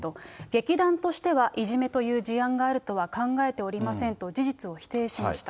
劇団としては、いじめという事案があるとは考えておりませんと、事実を否定しました。